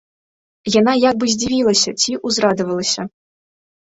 Яна як бы здзівілася ці ўзрадавалася.